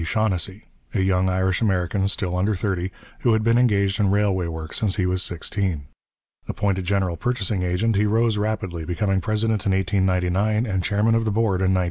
Shaughnessy, a young Irish American still under thirty, who had been engaged in railway work since he was sixteen. Appointed general purchasing agent, he rose rapidly, becoming president in 1899 and chairman of the board in 1911.